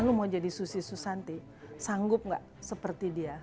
kalau mau jadi susi susanti sanggup nggak seperti dia